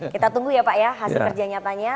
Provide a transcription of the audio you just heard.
kita tunggu ya pak ya hasil kerja nyatanya